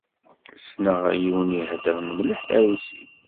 Ssneɣ yiwen iheddren mliḥ tarusit.